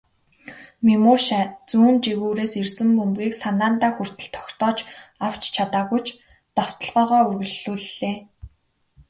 Мемушай зүүн жигүүрээс ирсэн бөмбөгийг санаандаа хүртэл тогтоож авч чадаагүй ч довтолгоогоо үргэлжлүүллээ.